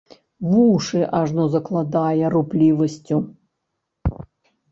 Вушы ажно закладае руплівасцю.